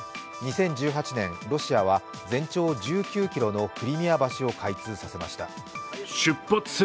２０１８年、ロシアは全長１９ｋｍのクリミア橋を開通させました。